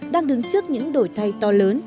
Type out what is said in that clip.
đang đứng trước những đổi thay to lớn